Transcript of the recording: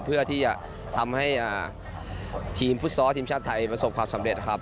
เพื่อที่จะทำให้ทีมฟุตซอลทีมชาติไทยประสบความสำเร็จครับ